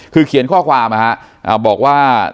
คือเขียนข้อความนะฮะบอกว่า